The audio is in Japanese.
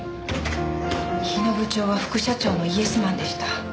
日野部長は副社長のイエスマンでした。